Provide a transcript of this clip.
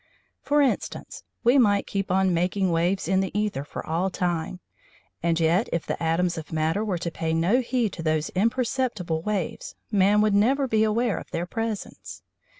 For instance, we might keep on making waves in the æther for all time, and yet if the atoms of matter were to pay no heed to those imperceptible waves, man would never be aware of their presence.